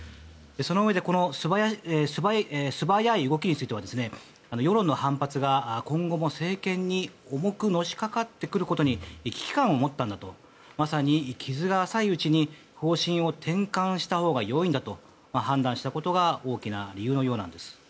そのうえでこの素早い動きについては世論の反発が今後も政権に重くのしかかってくることに危機感を持ったんだとまさに、傷が浅いうちに方針を転換したほうが良いんだと判断したことが大きな理由のようなんです。